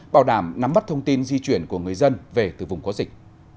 bảo đảm nắm bắt thông tin di chuyển của người dân về từ vùng có dịch